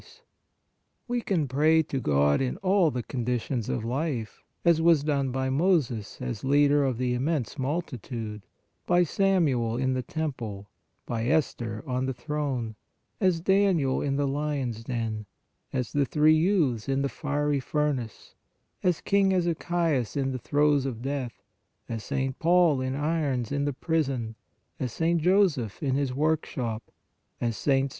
PRAYER OF PETITION 25 We can pray to God in all the conditions of life, as was done by Moses as leader of an immense multi tude, by Samuel in the temple, by Esther on the throne, as Daniel in the lions den, as the three youths in the fiery furnace, as King Ezechias in the throes of death, as St. Paul in irons in the prison, as St. Joseph in his workshop, as Sts.